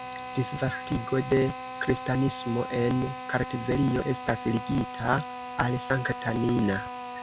Disvastigo de kristanismo en Kartvelio estas ligita al Sankta Nina.